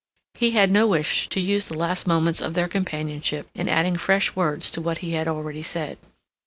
He had no wish to use the last moments of their companionship in adding fresh words to what he had already said.